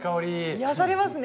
癒やされますね。